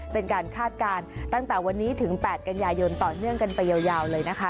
เป็นการคาดการณ์ตั้งแต่วันนี้ถึง๘กันยายนต่อเนื่องกันไปยาวเลยนะคะ